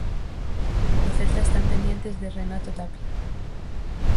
No Celta están pendentes de Renato Tapia.